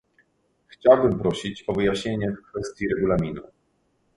Chciałbym prosić o wyjaśnienie w kwestii Regulaminu